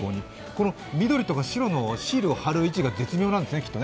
この緑とか白のシールを貼る位置が絶妙なんですね、きっと。